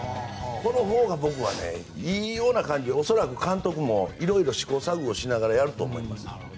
このほうが僕はいいような感じが恐らく監督も色々試行錯誤しながらやると思います。